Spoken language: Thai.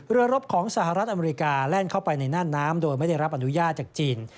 รบของสหรัฐอเมริกาแล่นเข้าไปในน่านน้ำโดยไม่ได้รับอนุญาตจากจีน